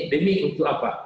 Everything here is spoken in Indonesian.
demi untuk apa